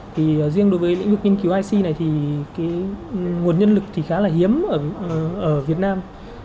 thì riêng đối với lĩnh vực nghiên cứu ic này thì cái nguồn nhân lực thì khá là hiếm ở việt nam